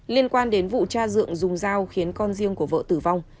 liên quan đến vụ cha dượng dùng dao khiến con riêng của vợ tử vong